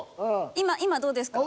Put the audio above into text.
今どうですか？